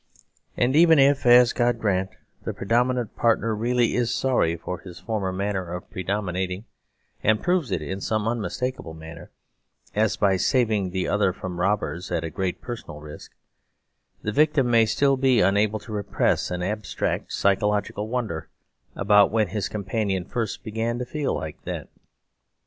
And even if, as God grant, the predominant partner is really sorry for his former manner of predominating, and proves it in some unmistakable manner as by saving the other from robbers at great personal risk the victim may still be unable to repress an abstract psychological wonder about when his companion first began to feel like that.